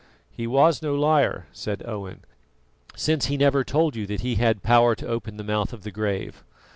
"He was no liar," said Owen; "since he never told you that he had power to open the mouth of the grave.